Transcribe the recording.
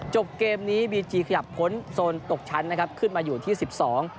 จบเกมนี้บีจีขยับพ้นโซนตกชั้นนะครับขึ้นมาอยู่ที่สิบสอง